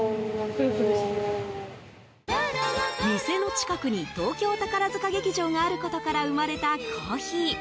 店の近くに東京宝塚劇場があることから生まれたコーヒー。